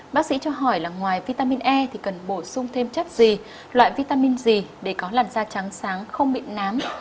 bác sĩ cho hỏi là ngoài vitamin e thì cần bổ sung thêm chất gì loại vitamin gì để có làn da trắng sáng không bị nám